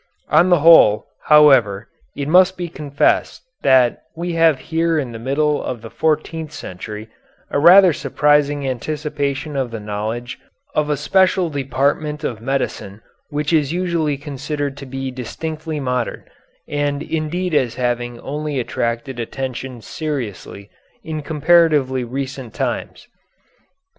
On the whole, however, it must be confessed that we have here in the middle of the fourteenth century a rather surprising anticipation of the knowledge of a special department of medicine which is usually considered to be distinctly modern, and indeed as having only attracted attention seriously in comparatively recent times.